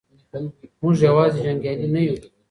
موږ یوازې جنګیالي نه یو.